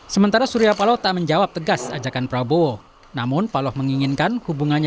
sementara surya paloh tak menjawab tegas ajakan prabowo namun paloh menginginkan hubungannya